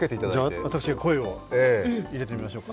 じゃ、私が声を入れてみましょうか。